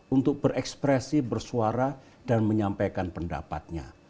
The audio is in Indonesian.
untuk berekspresi bersuara dan menyampaikan pendapatnya